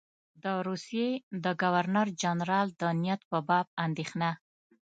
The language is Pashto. د روسیې د ګورنر جنرال د نیت په باب اندېښنه.